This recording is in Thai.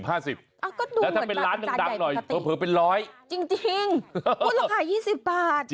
อ่ะก็ดูเหมือนจานใหญ่ปกติจริงว่าเราขาย๒๐บาท